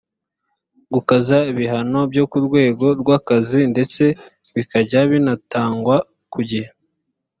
gukaza ibihano byo mu rwego rw’akazi ndetse bikajya binatangwa ku gihe